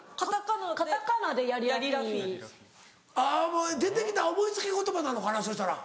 あぁもう出て来た思い付き言葉なのかなそしたら。